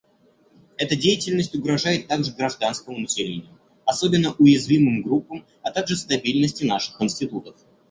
Эта деятельность угрожает также гражданскому населению, особенно уязвимым группам, а также стабильности наших институтов.